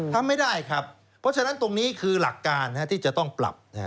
ทำไม่ได้ครับเพราะฉะนั้นตรงนี้คือหลักการที่จะต้องปรับ